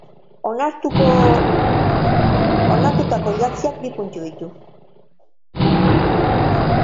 Onartutako idatziak bi puntu ditu.